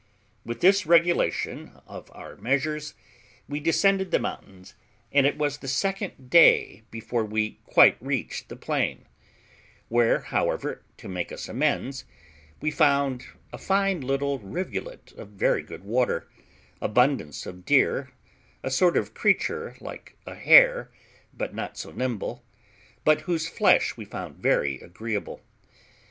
With this regulation of our measures, we descended the mountains, and it was the second day before we quite reached the plain; where, however, to make us amends, we found a fine little rivulet of very good water, abundance of deer, a sort of creature like a hare, but not so nimble, but whose flesh we found very agreeable.